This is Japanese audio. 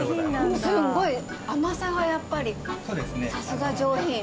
すごい甘さがやっぱりさすが上品。